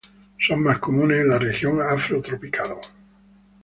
Son más comunes en la región afrotropical.